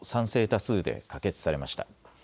多数で可決されました。